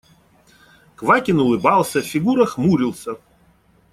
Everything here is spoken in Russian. Квакин улыбался, Фигура хмурился.